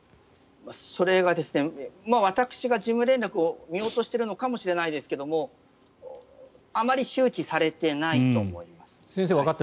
それが私が事務連絡を見落としているのかもしれませんがあまり周知されていないと思います。